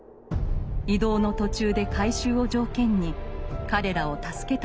移動の途中で改宗を条件に彼らを助けたのでした。